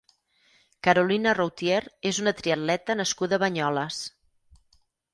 Carolina Routier és una triatleta nascuda a Banyoles.